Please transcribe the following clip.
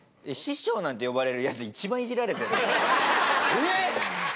えっ！？